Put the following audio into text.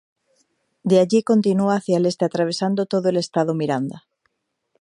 De allí continúa hacia el Este atravesando todo el estado Miranda.